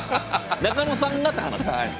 中野さんがって話ですから。